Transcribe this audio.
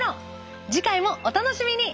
次回もお楽しみに。